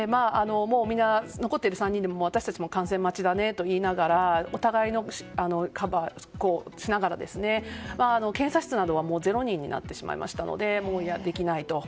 残っている３人で私たちも感染待ちだねといいながらお互いのカバーをしながら検査室などは０人になってしまいましたのでもうできないと。